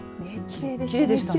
きれいでしたね。